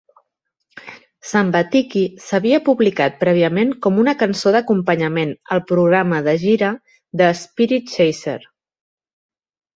"Sambatiki" s'havia publicat prèviament com una cançó d'acompanyament al programa de gira de "Spiritchaser".